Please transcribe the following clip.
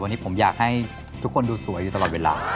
วันนี้ผมอยากให้ทุกคนดูสวยอยู่ตลอดเวลา